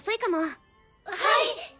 はい！